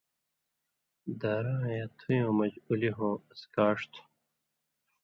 دراں یا تھُیوں من٘ژ اُولی ہوں اڅھکاݜ تھُو۔